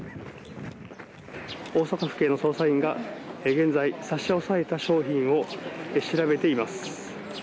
大阪府警の捜査員が現在、差し押さえた商品を調べています。